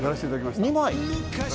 ２枚？